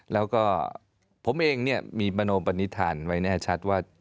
แล้วก็ผมเองมีประโนมัติฐานไว้แน่ชัดว่า